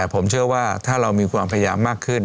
ผมเชื่อว่าถ้าเรามีความพยายามมากขึ้น